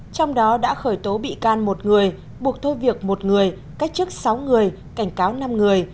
trong đó đã khởi tố bị can một người buộc thôi việc một người cách chức sáu người cảnh cáo năm người